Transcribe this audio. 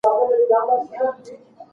که تکرار نه وي، آیا سبق به هیر نه سی؟